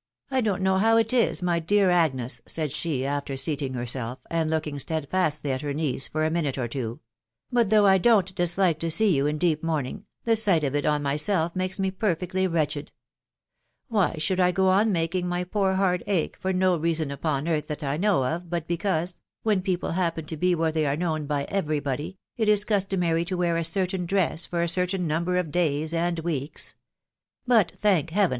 " I don't know how it is, my dear Agnes/' said she, after seating herself, and looking steadfastly at her niece for a mi nute or two ;" but though I don't dislike to see you in deep mourning, the sight of it on myself makes me perfectly wretched !•.•. Why should I go on making my poor heart ache, for no reason upon earth that I know of, but because, when people happen to be where they are known by every body, it is customary to wear a certain dress for a certain number of days and weeks ; but, thank Heaven